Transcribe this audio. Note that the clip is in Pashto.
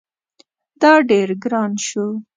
دا ډیر ګران شو